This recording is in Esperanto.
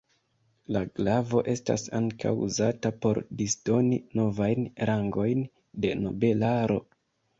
La glavo estas ankaŭ uzata por disdoni novajn rangojn de nobelaro.